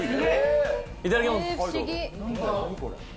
いただきます。